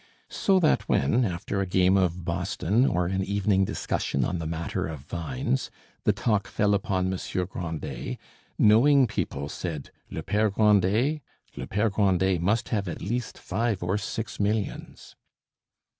So that when, after a game of boston or an evening discussion on the matter of vines, the talk fell upon Monsieur Grandet, knowing people said: "Le Pere Grandet? le Pere Grandet must have at least five or six millions."